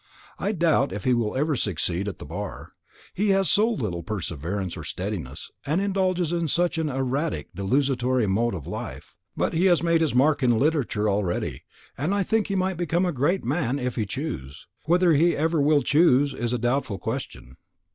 I doubt if he will ever succeed at the Bar. He has so little perseverance or steadiness, and indulges in such an erratic, desultory mode of life; but he has made his mark in literature already, and I think he might become a great man if he chose. Whether he ever will choose is a doubtful question."